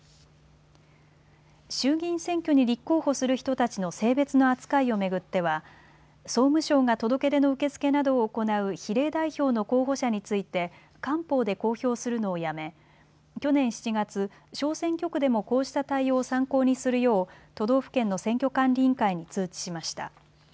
衆議院選挙に立候補する人たちの性別の扱いを巡っては総務省が届け出の受け付けなどを行う比例代表の候補者について官報で公表するのをやめ去年７月、小選挙区でもこうした対応を参考にするよう都道府県の選挙管理委員会に通知しました。